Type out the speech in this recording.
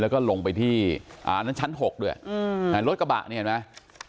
แล้วก็ลงไปที่ชั้น๖ด้วยรถกระบะนี้เห็นไหม